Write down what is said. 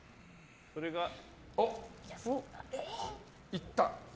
いった！